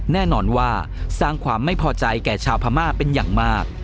แน่นอนว่าสร้างความไม่พอใจแก่ชาวพม่าเป็นอย่างมาก